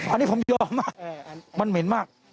อันนี้ผมยอมมากมันเหม็นมาก